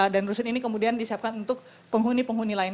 dan rusun ini kemudian disiapkan untuk penghuni penghuni lain